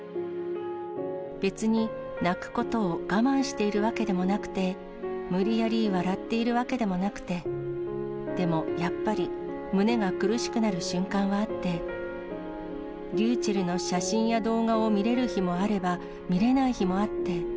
別に泣くことを我慢しているわけでもなくて、無理やり笑っているわけでもなくて、でもやっぱり胸が苦しくなる瞬間はあって、りゅうちぇるの写真や動画を見れる日もあれば見れない日もあって、